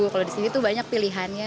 kalau di sini tuh banyak pilihannya